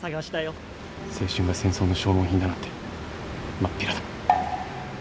青春が戦争の消耗品だなんてまっぴらだ。